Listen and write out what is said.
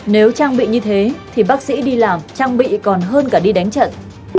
nếu trang bị như thế thì bác sĩ đi làm trang bị còn hơn cả đi đánh trận